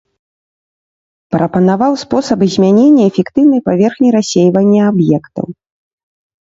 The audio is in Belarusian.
Прапанаваў спосаб змянення эфектыўнай паверхні рассейвання аб'ектаў.